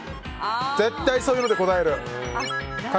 絶対そういうので答える。